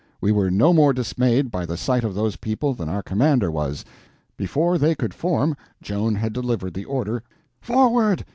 We were no more dismayed by the sight of those people than our commander was. Before they could form, Joan had delivered the order, "Forward!"